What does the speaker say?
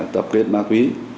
tập kết ma túy